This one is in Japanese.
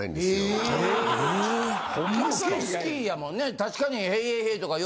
確かに。